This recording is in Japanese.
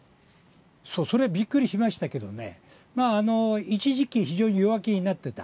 それはびっくりしましたけどね、まあ、一時期非常に弱気になってた。